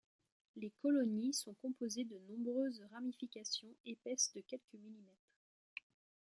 Les colonies sont composées de nombreuses ramifications épaisses de quelques millimètres.